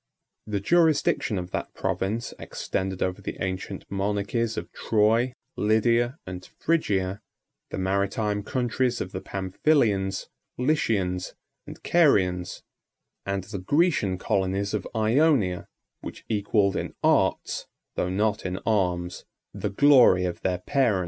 The jurisdiction of that province extended over the ancient monarchies of Troy, Lydia, and Phrygia, the maritime countries of the Pamphylians, Lycians, and Carians, and the Grecian colonies of Ionia, which equalled in arts, though not in arms, the glory of their parent.